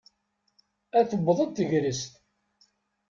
A tewweḍ-d tegrest.